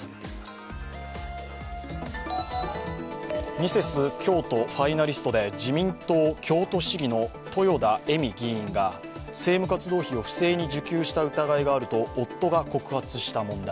ミセス京都ファイナリストで自民党京都市議の豊田恵美議員が、政務活動費を不正に受給した疑いがあると夫が告発した問題。